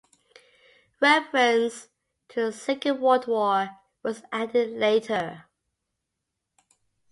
Reference to the Second World War was added later.